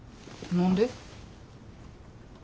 何で？